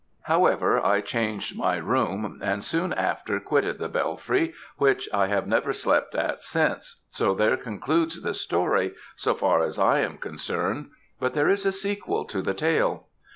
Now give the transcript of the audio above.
However, I changed my room, and soon after quitted the Bellfry, which I have never slept at since, so there concludes the story, so far as I am concerned; but there is a sequel to the tale.